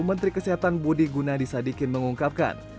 menteri kesehatan budi gunadi sadikin mengungkapkan